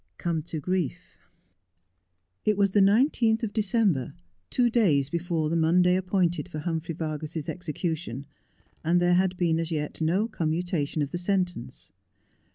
COME TO GRIEF. It was the 19th of December, two days before the Monday appointed for Humphrey Vargas's execution, and there had been as yet no commutation of the sentence.